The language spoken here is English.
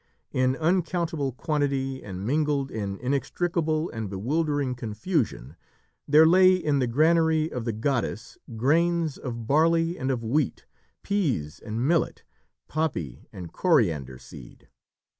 In uncountable quantity, and mingled in inextricable and bewildering confusion, there lay in the granary of the goddess grains of barley and of wheat, peas and millet, poppy and coriander seed.